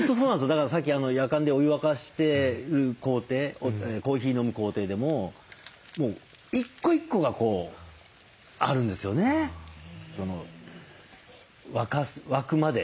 だからさっきやかんでお湯沸かしてる工程コーヒー飲む工程でももう一個一個がこうあるんですよね沸くまで。